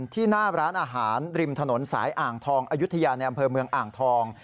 หน้าร้านอาหารริมถนนสายอ่างทองอายุทยาในอำเภอเมืองอ่างทอง